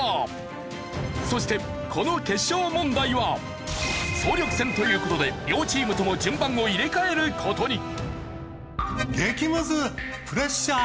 そしてこの決勝問題は総力戦という事で両チームとも順番を入れ替える事に。